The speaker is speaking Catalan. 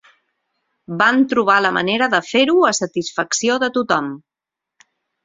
Van trobar la manera de fer-ho a satisfacció de tothom.